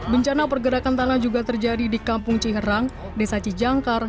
bencana pergerakan tanah juga terjadi di kampung ciherang desa cijangkar